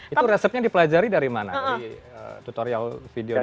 itu resepnya dipelajari dari mana tutorial video di youtube